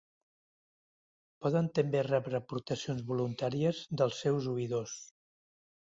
Poden també rebre aportacions voluntàries dels seus oïdors.